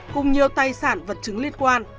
cùng nhiều tài sản vật chế